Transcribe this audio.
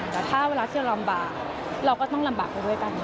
แต่ถ้าเวลาที่เราลำบากเราก็ต้องลำบากไปด้วยกัน